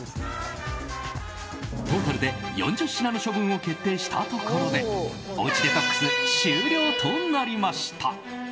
トータルで４０品の処分を決定したところでおうちデトックス終了となりました。